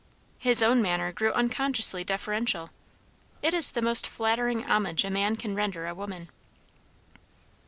His own manner grew unconsciously deferential. It is the most flattering homage a man can render a woman.